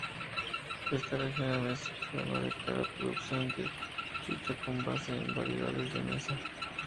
Esta región administrativa no declara producción de chicha con base en variedades de mesa.